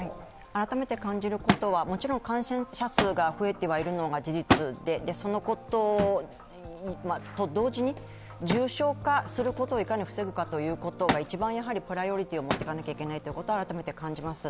改めて感じることは、もちろん感染者数が増えているのが事実で、そのことと同時に重症化をいかに防ぐかということが一番プライオリティーを持っていかなければいけないと改めて感じます。